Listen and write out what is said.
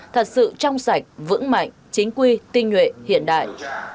thật sự trong sạch vững mạnh chính quy tinh nguyện hiện đại